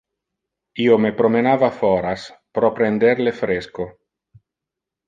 Io me promenava foras pro prender le fresco.